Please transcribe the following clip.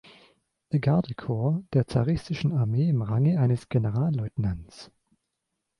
Gardekorps der zaristischen Armee im Range eines Generalleutnants.